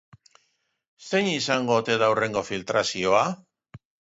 Zein izango ote da hurrengo filtrazioa?